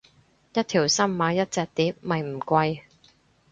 一條心買一隻碟咪唔貴